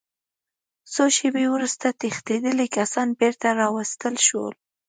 څو شېبې وروسته تښتېدلي کسان بېرته راوستل شول